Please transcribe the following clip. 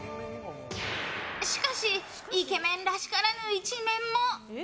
しかしイケメンらしからぬ一面も。